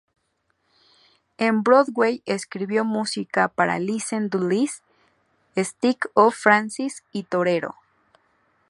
En Broadway, escribió música para "Listen to Liz", "Skits-oh-Frantics" y "Torero!".